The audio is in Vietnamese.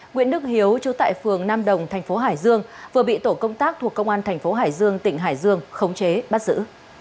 nguyễn đức hiếu chú tại phường nam đồng thành phố hải dương vừa bị tổ công tác thuộc công an thành phố hải dương tỉnh hải dương khống chế bắt giữ